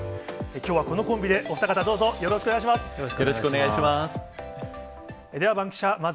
きょうはこのコンビでお二方、どうぞよろしくお願いします。